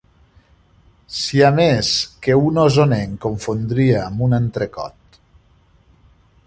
Siamès que un osonenc confondria amb un entrecot.